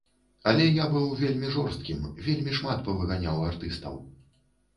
Але я быў вельмі жорсткім, вельмі шмат павыганяў артыстаў.